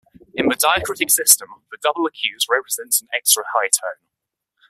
In the diacritic system, the double acute represents an extra high tone.